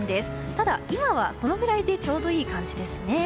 ただ、今はこのぐらいでちょうどいい感じですね。